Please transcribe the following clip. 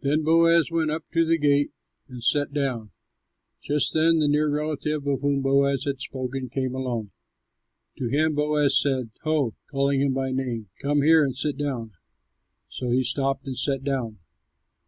Then Boaz went up to the gate and sat down. Just then the near relative of whom Boaz had spoken came along. To him Boaz said, "Ho!" calling him by name, "come here and sit down." So he stopped and sat down.